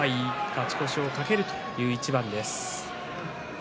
勝ち越しを懸けるという一番です。